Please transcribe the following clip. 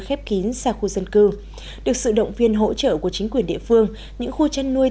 khép kín xa khu dân cư được sự động viên hỗ trợ của chính quyền địa phương những khu chăn nuôi